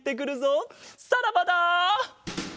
さらばだ！